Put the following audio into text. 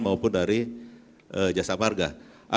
maupun dari jasa marga